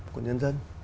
của nhân dân